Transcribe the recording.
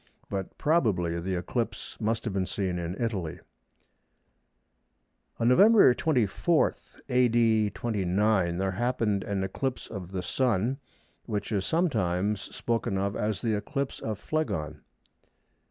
But probably the eclipse must have been seen in Italy. On November 24, A.D. 29, there happened an eclipse of the Sun which is sometimes spoken of as the "eclipse of Phlegon."